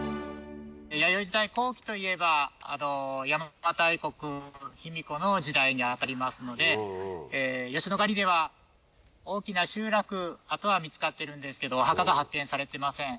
弥生時代後期といえば邪馬台国卑弥呼の時代に当たりますので吉野ヶ里では大きな集落跡は見つかってるんですけど墓が発見されてません。